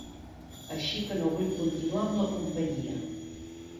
Així que no vull continuar amb la companyia.